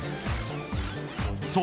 そう。